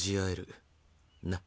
なっ？